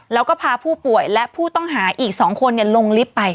แล้วก็พาผู้ป่วยและผู้ต้องหาอีก๒คนลงลิฟต์ไป